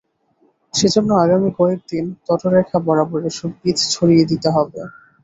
সেজন্য আগামী কয়েকদিন তটরেখা বরাবর এসব বীজ ছড়িয়ে দিতে হবে।